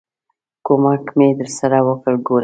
ک و م ک مې درسره وکړ، ګوره!